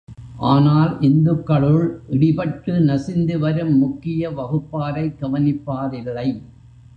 ஆனால் இந்துக்களுள் இடிபட்டு நசிந்து வரும் முக்கிய வகுப்பாரைக் கவனிப்பாரில்லை.